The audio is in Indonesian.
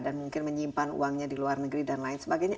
dan mungkin menyimpan uangnya di luar negeri dan lain sebagainya